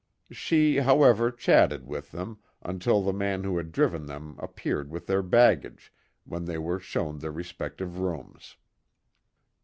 She, however, chatted with them until the man who had driven them appeared with their baggage, when they were shown their respective rooms.